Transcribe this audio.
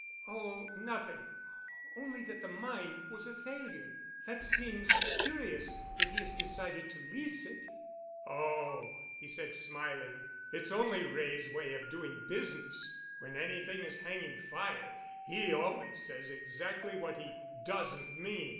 "Oh, nothing—only that the mine was a failure. That seems curious if he had decided to lease it." "Oh!" he said smiling, "it's only Wray's way of doing business. When anything is hanging fire he always says exactly what he doesn't mean.